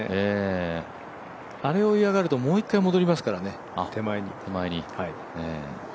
あれを嫌がるともう一回戻りますからね、手前に。